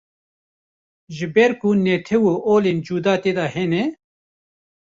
Ji ber ku netew û olên cuda tê de hene.